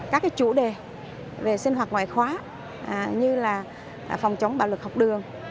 các chủ đề về sinh hoạt ngoại khóa như là phòng chống bạo lực học đường